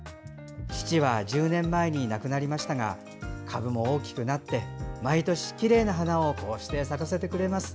父は１０年前に亡くなりましたが株も大きくなって、毎年きれいな花を咲かせてくれます。